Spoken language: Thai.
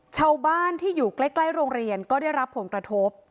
ชาวบ้านที่อยู่ใกล้โรงเรียนก็ได้รับผลกระทบ